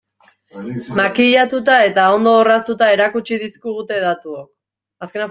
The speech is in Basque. Makillatuta eta ondo orraztuta erakutsi dizkigute datuok.